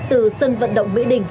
từ sân vận động mỹ đình